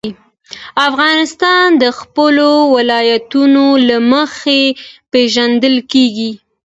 افغانستان د خپلو ولایتونو له مخې پېژندل کېږي.